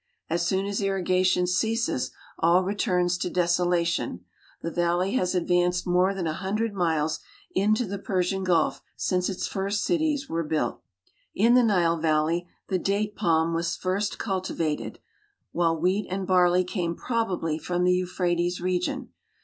As soon as irrigation ceases all returns to desolation. The valley has advanced more than a hundred miles into the Persian gulf since its first cities were built. 2 THE NATIONAL GEOGRAPHIC SOCIETY In the Nile valley the date palm was first cultivated, whiU' wlieat and barley came probably from the Eui)lirates re<i;ion.